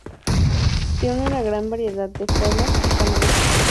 Tiene una gran variedad de formas y tamaños.